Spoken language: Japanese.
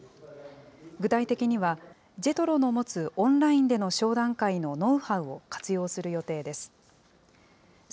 具体的には、ジェトロの持つオンラインでの商談会のノウハウを活用する予定です。